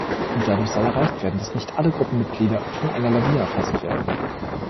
Dadurch soll erreicht werden, dass nicht alle Gruppenmitglieder von einer Lawine erfasst werden.